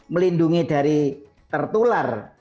melindungi dari tertular